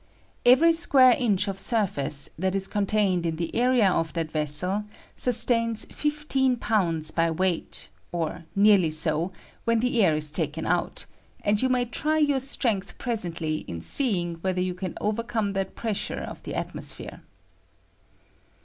Every square inch of surface that is eontained in the area of that vessel sustains fif teen pounds by weight, or nearly bo, when the air is tnlsen out, and you may try your strength presently in seeing whether you can overcome that pressure of the atmosphere.